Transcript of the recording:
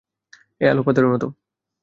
এই আলু পাথরের মতো।